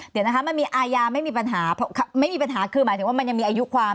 เดี๋ยวนะคะมันมีอายาไม่มีปัญหาไม่มีปัญหาคือหมายถึงว่ามันยังมีอายุความ